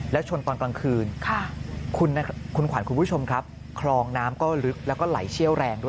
แล้วชนตอนกลางคืน